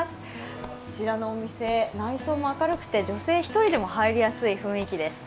こちらのお店、内装も明るくて女性１人でも入りやすい雰囲気です。